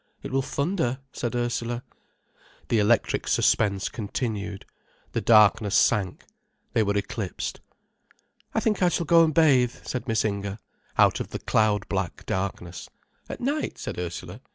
"It will thunder," said Ursula. The electric suspense continued, the darkness sank, they were eclipsed. "I think I shall go and bathe," said Miss Inger, out of the cloud black darkness. "At night?" said Ursula.